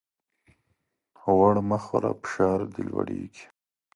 غوړ مه خوره ! فشار دي لوړېږي.